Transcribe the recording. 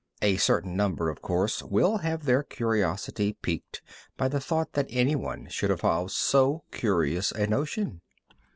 A certain number, of course, will have their curiosity piqued by the thought that anyone should evolve so curious a notion.